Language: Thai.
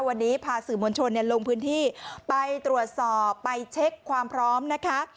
วันนี้พาสื่อมวลชนลงพื้นที่ไปตรวจสอบไปเช็คความพร้อมนะคะ